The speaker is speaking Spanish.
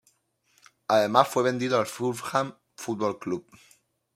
Además, fue vendido al Fulham Football Club.